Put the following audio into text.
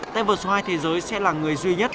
tay vợt số hai thế giới sẽ là người duy nhất